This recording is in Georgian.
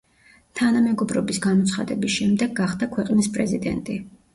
თანამეგობრობის გამოცხადების შემდეგ გახდა ქვეყნის პრეზიდენტი.